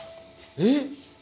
えっ？